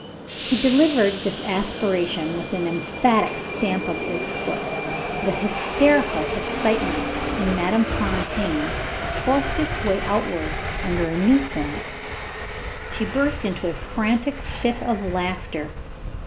He delivered this aspiration with an emphatic stamp of his foot. The hysterical excitement in Madame Fontaine forced its way outwards under a new form. She burst into a frantic fit of laughter.